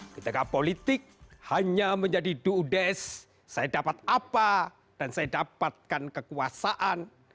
ketika politik hanya menjadi ⁇ dudes saya dapat apa dan saya dapatkan kekuasaan